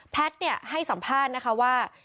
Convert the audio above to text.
แพทย์ให้สัมภาษณ์ว่า